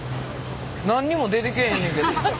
何にも出てけえへんねんけど。